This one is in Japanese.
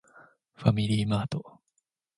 ファミリーマート